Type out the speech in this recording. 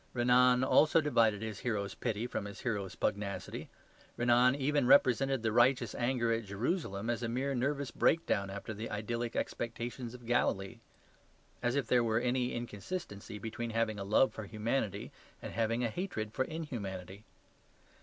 Renan also divided his hero's pity from his hero's pugnacity. Renan even represented the righteous anger at Jerusalem as a mere nervous breakdown after the idyllic expectations of Galilee. As if there were any inconsistency between having a love for humanity and having a hatred for inhumanity!